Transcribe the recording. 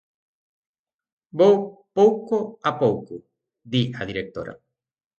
"Vou pouco a pouco", di a directora.